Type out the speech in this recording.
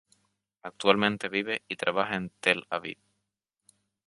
Actualmente vive y trabaja en Tel-Aviv.